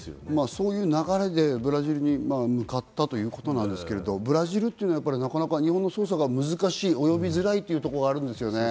そういう流れでブラジルに向かったということなんですけれど、ブラジルというのはなかなか日本の捜査が難しい、及びづらいところがあるんですね。